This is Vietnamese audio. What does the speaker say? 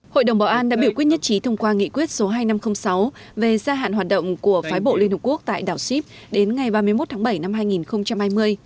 hội đồng bảo an đã biểu quyết nhất trí thông qua nghị quyết số hai nghìn năm trăm linh sáu về gia hạn hoạt động của phái bộ liên hợp quốc tại đảo sip đến ngày ba mươi một tháng bảy năm hai nghìn hai mươi